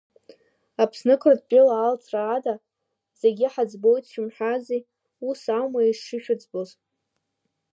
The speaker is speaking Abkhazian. Аԥсны Қыртәыла алҵра ада, зегьы ҳаӡбоит шәымҳәази, ас аума ишышәыӡбоз?